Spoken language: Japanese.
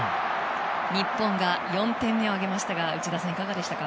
日本が４点目を挙げましたが内田さん、いかがでしたか？